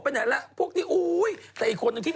อ๋อเขาบอกว่าดีเหลือเกิน